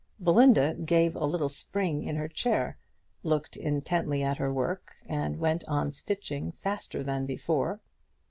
Belinda gave a little spring in her chair, looked intently at her work, and went on stitching faster than before.